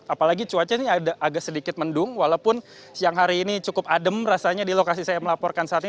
apalagi cuaca ini agak sedikit mendung walaupun siang hari ini cukup adem rasanya di lokasi saya melaporkan saat ini